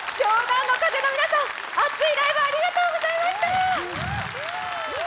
湘南乃風の皆さん、熱いライブありがとうございました。